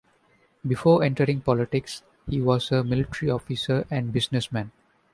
Before entering politics, he was a military officer and businessman.